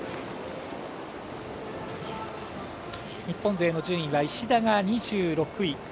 日本勢の順位、石田が２６位。